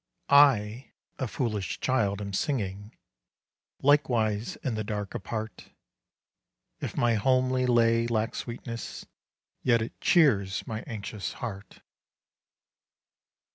I, a foolish child, am singing Likewise in the dark apart. If my homely lay lack sweetness, Yet it cheers my anxious heart.